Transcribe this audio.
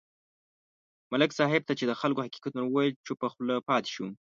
ملک صاحب ته چې خلکو حقیقتونه وویل، چوپه خوله پاتې شو.